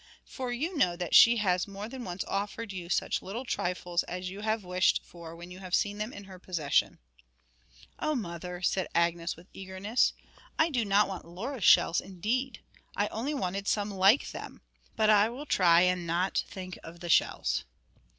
For you know that she has more than once offered you such little trifles as you have wished for when you have seen them in her possession.' 'Oh, mother,' said Agnes, with eagerness, 'I do not want Laura's shells, indeed! I only wanted some like them. But I will try and not think of the shells.'